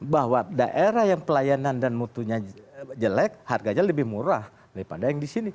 bahwa daerah yang pelayanan dan mutunya jelek harganya lebih murah daripada yang di sini